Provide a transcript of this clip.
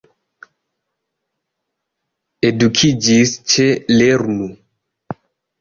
Edukiĝis ĉe lernu!